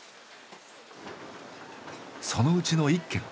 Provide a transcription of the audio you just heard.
そのうちの一軒。